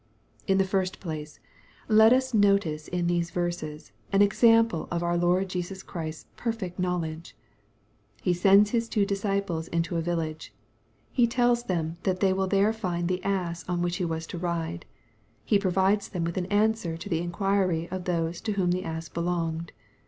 In the first place, let us notice in these verses an example of our Lord Jesus Christ's perfect knowledge. He sends His two disciples into a village. He tells them that they will there find the ass on which he was to ride. He provides them with an answer to the inquiry of those to whom the ass belonged.